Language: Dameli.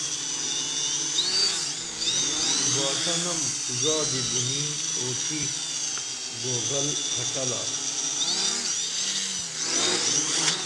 باݜنم زادی بُنیں اوتھی گوگل پھڇھلا